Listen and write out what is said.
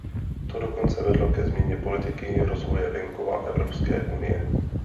To dokonce vedlo ke změně politiky rozvoje venkova Evropské unie.